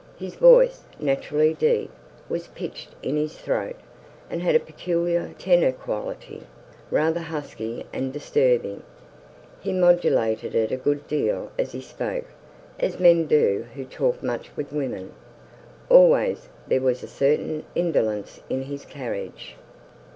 His voice, naturally deep, was pitched in his throat, and had a peculiar, tenor quality, rather husky, and disturbing. He modulated it a good deal as he spoke, as men do who talk much with women. Always, there was a certain indolence in his carriage.